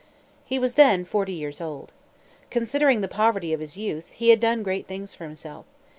He was then forty years old. Considering the poverty of his youth, he had done great things for himself.